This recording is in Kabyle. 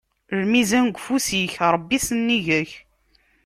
Lmizan deg ufus-ik, Ṛebbi sennig-k.